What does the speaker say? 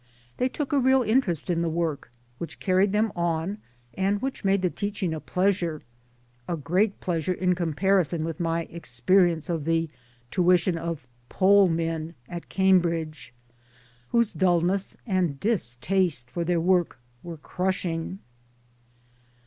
They took' a real interest in the work, which carried them on and which 'made the teaching a pleasure a; great pleasure in comparison with my experience of the tuition of " poll " men at Cambridge, whose dulness and distaste for their work were crushing.